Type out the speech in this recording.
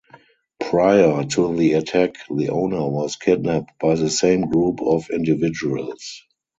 Prior to the attack the owner was kidnapped by the same group of individuals.